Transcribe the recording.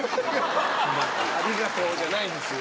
「ありがとう」じゃないんですよ。